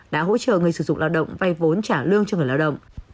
đã hỗ trợ người sử dụng lao động vay vốn trả lương cho người lao động